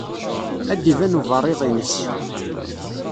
Ad d-iban uberriḍ-ines.